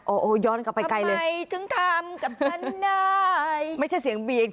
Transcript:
โอ้โหย้อนกลับไปไกลเลย